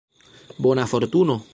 Bona fortuno.